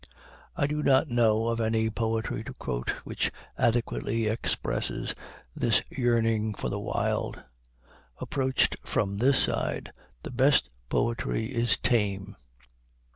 I do not know of any poetry to quote which adequately expresses this yearning for the Wild. Approached from this side, the best poetry is tame.